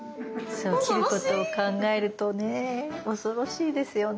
そう切ることを考えるとね恐ろしいですよね。